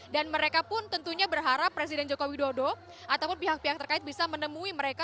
dan mereka pun tentunya berharap presiden joko widodo ataupun pihak pihak terkait bisa menemui mereka